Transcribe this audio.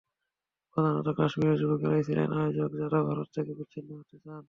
প্রধানত কাশ্মীরি যুবকেরাই ছিলেন আয়োজক, যাঁরা ভারত থেকে বিচ্ছিন্ন হতে চান।